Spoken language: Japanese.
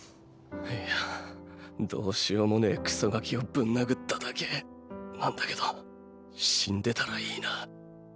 イヤどうしようもねぇクソガキをぶん殴っただけなんだけど死んでたらいいな。